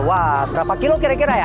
wah berapa kilo kira kira ya